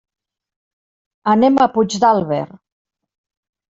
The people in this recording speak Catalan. Anem a Puigdàlber.